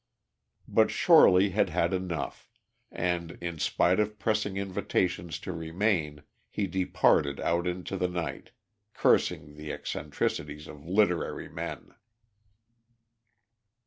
But Shorely had had enough, and, in spite of pressing invitations to remain, he departed out into the night, cursing the eccentricities of literary men.